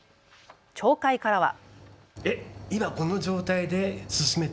町会からは。